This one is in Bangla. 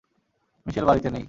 মিশেল বাড়িতে নেই।